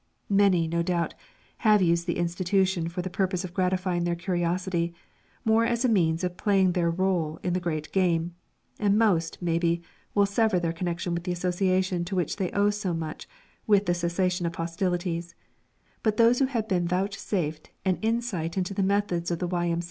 Many, no doubt, have used the institution for the purpose of gratifying their curiosity, more as a means of playing their rôle in the Great Game, and most, maybe, will sever their connection with the Association to which they owe so much with the cessation of hostilities; but those who have been vouchsafed an insight into the methods of the Y.M.